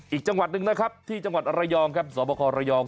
อีกจังหวัดหนึ่งนะครับที่จังหวัดระยองครับสวบคอระยอง